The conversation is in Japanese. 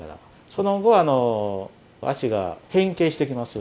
その後、足が変形していきます。